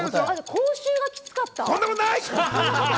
口臭がきつかった？